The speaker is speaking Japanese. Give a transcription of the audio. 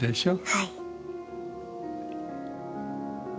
はい。